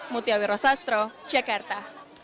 mutiawi rosastro jakarta